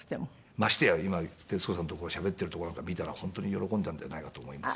ましてや今徹子さんとしゃべってるとこなんか見たら本当に喜んだんじゃないかと思います。